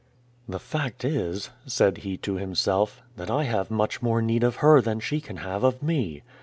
"The fact is," said he to himself, "that I have much more need of her than she can have of me.